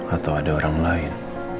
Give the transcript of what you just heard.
atau ada orang lain